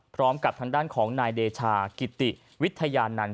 พร้อมกับทางด้านของนายเดชากิติวิทยานันต์